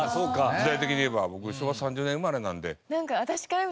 時代的に言えば僕昭和３０年生まれなんで。